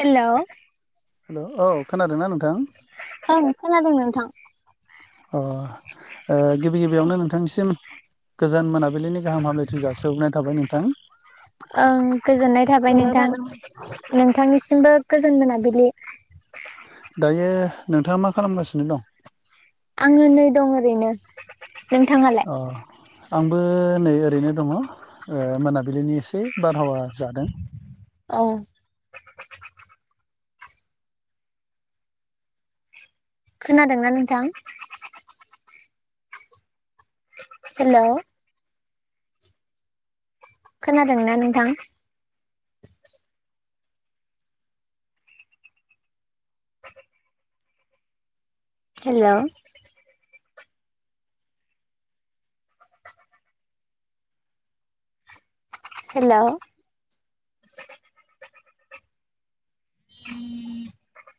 Hello. Hello औ खोनादोंना नोंथां? ओं खोनादों नोंथां। अ ओ गिबि गिबियावनो नोंथांनिसिम गोजान मोनाबिलिनि गाहाम हामलायथि जासिहग्रोनाय थाबाय नोंथां। उम गोजोननाय थाबाय नोंथां। नोंथांनिसिमबो गोजोन मोनाबिलि। दायो नोंथाङा मा खालामगासिनो दं? आङो नै दं ओरैनो। नोंथाङालाय अ आंबो नै ओरैनो दङ। ओ मोनाबिलिनि एसे बारहावा जादों। औ। खोनादोंना नोंथां? हेलौ। खोनादोंना नोंथां? हेलौ। हेलौ। [unintelligible]